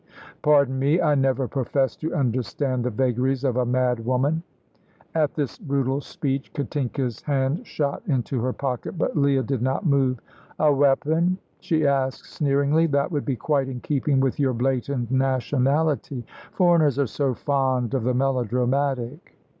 "Pardon me, I never profess to understand the vagaries of a madwoman." At this brutal speech Katinka's hand shot into her pocket, but Leah did not move. "A weapon?" she asked sneeringly; "that would be quite in keeping with your blatant nationality. Foreigners are so fond of the melodramatic."